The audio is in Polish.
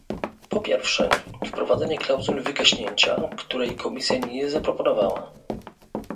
Po pierwsze, wprowadzenie klauzuli wygaśnięcia, której Komisja nie zaproponowała